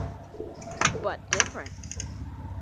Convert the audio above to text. But different.